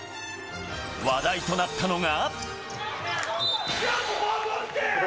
話題となったのが。